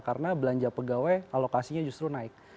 karena belanja pegawai alokasinya justru naik